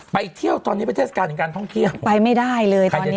ไปเที่ยวตอนนี้ไปเทศกาลถึงการท่องเที่ยวไปไม่ได้เลยตอนนี้